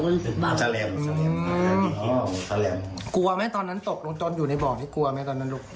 มันบังอืมอ๋อแถมกลัวไหมตอนนั้นตกลงจนอยู่ในบ่องที่กลัวไหมตอนนั้นลูก